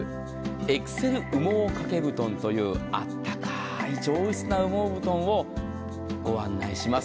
エクセル羽毛掛け布団というあったかい上質な羽毛布団をご案内します。